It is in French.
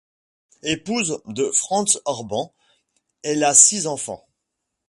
Épouse de Franz Orban, elle a six enfants.